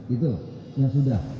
itu nah sudah